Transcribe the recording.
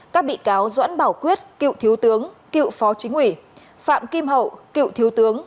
các bị cáo doãn bảo quyết cựu thiếu tướng cựu phó chính ủy phạm kim hậu cựu thiếu tướng